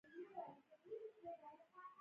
زه تل هڅه کوم ښه انسان و اوسم.